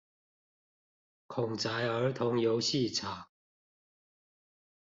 孔宅兒童遊戲場